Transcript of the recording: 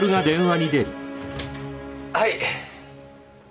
はい。